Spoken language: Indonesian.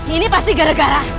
ini pasti gara gara